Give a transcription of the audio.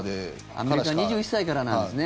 アメリカは２１歳からなんですね。